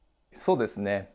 そうですね